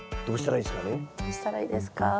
どうしたらいいですか？